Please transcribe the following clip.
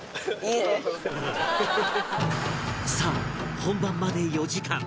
さあ本番まで４時間